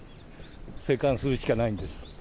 静観するしかないんです。